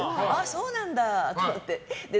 そうなんだと思って。